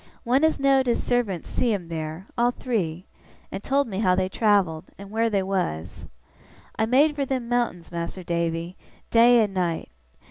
One as know'd his servant see 'em there, all three, and told me how they travelled, and where they was. I made fur them mountains, Mas'r Davy, day and night.